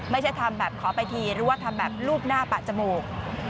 ไม่ใช่ทำแบบขอไปทีหรือว่าทำแบบรูปหน้าปะจมูก